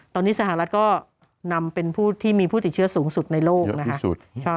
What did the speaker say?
ตอนนี้สหรัฐก็นำเป็นผู้ที่มีผู้ติดเชื้อสูงสุดในโลกนะคะ